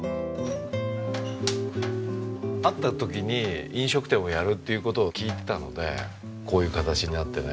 会った時に飲食店をやるっていう事を聞いてたのでこういう形になってね